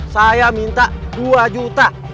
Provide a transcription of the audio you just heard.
saya minta dua juta